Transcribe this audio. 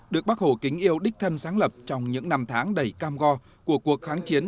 được bác hồ kính yêu đích thân sáng lập trong những năm tháng đầy cam go của cuộc kháng chiến